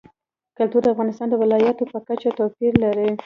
کلتور د افغانستان د ولایاتو په کچه توپیر لري.